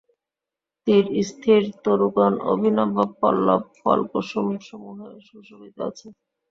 তীরস্থিত তরুগণ অভিনব পল্লব ফল কুসুম সমূহে সুশোভিত আছে।